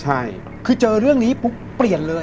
ใช่คือเจอเรื่องนี้ปุ๊บเปลี่ยนเลย